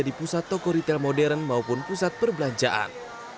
di pusat toko retail modern maupun pusat perbelanjaan